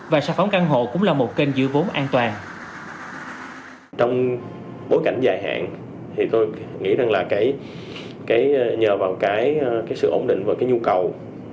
trong cái cảnh dài hạn thì tôi nghĩ rằng là nhờ vào cái sự ổn định và cái nhu cầu